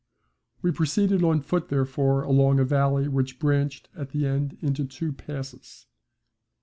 We proceeded on foot therefore along a valley which branched at the end into two passes.